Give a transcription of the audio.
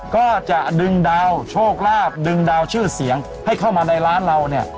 ก็จะดึงดาวโชคลาภดึงดาวชื่อเสียงให้เข้ามาในร้านเราเนี่ย